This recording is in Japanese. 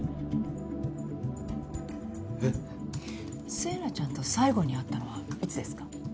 星名ちゃんと最後に会ったのはいつですか？